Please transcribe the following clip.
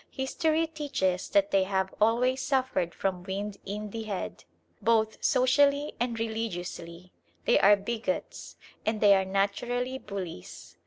History teaches that they have always suffered from "wind in the head," both socially and religiously. They are bigots, and they are naturally bullies.